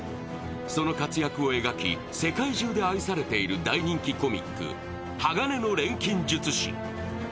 その活躍を描き世界中で愛されている大人気コミック「鋼の錬金術師」。